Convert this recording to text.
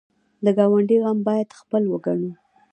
د ګاونډي غم باید خپل وګڼو